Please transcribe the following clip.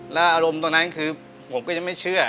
แล้วอารมณ์ตรงนั้นคือผมก็ยังไม่เชื่อ